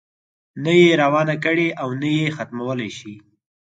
نه یې روانه کړې او نه یې ختمولای شي.